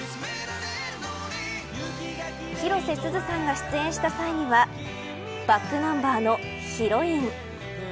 広瀬すずさんが出演した際にはｂａｃｋｎｕｍｂｅｒのヒロイン。